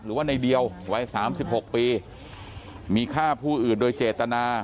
หรือว่าในเดียวไว้๓๖ปีมีฆ่าผู้อื่นโดยเจตนา